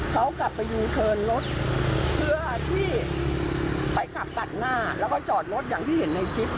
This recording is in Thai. เขากลับไปยูเทิร์นรถเพื่อที่ไปขับตัดหน้าแล้วก็จอดรถอย่างที่เห็นในคลิป